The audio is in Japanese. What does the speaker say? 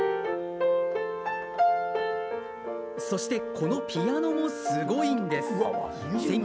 そして、このピアノもすごいんです。